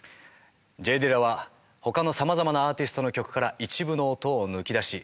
Ｊ・ディラはほかのさまざまなアーティストの曲から一部の音を抜き出し